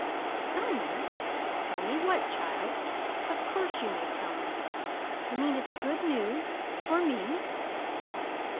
"Tell me? Tell me what, child? Of course you may tell me. You mean, it's good news for ME?"